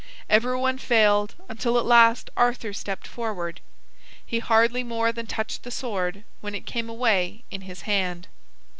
Everyone failed until at last Arthur stepped forward. He hardly more than touched the sword when it came away in his hand.